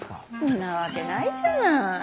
んなわけないじゃない。